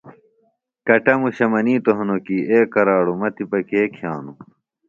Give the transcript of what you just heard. کٹموشہ منِیتوۡ ہنوۡ کیۡ اے کراڑوۡ مہ تِپہ کے کِھئانوۡ